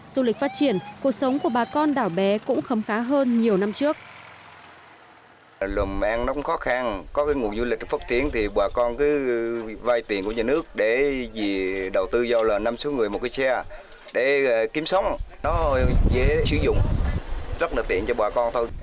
du lịch phát triển cuộc sống của bà con đảo bé cũng khấm khá hơn nhiều năm trước